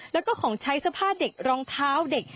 แล้วก็ของใช้สภาพเด็กรองเท้าเด็ก